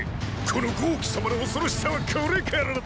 この豪紀様の恐ろしさはこれからだ！